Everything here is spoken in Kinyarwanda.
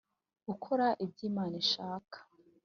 ukora ibyo imana ishaka